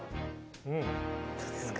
どうですか？